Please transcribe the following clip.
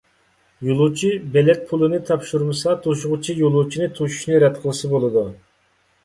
يولۇچى بېلەت پۇلىنى تاپشۇرمىسا، توشۇغۇچى يولۇچىنى توشۇشنى رەت قىلسا بولىدۇ.